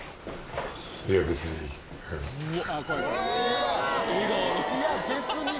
「いや別に」